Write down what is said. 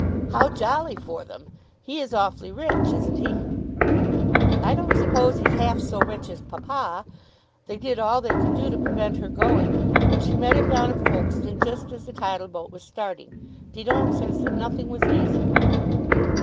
"How jolly for them! He is awfully rich, isn't he?" "I don't suppose he's half so rich as papa. They did all they could to prevent her going, but she met him down at Folkestone just as the tidal boat was starting. Didon says that nothing was easier."